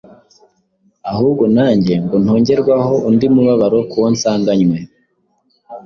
ahubwo nanjye, ngo ntongerwaho undi mubabaro ku uwo nsanganywe.”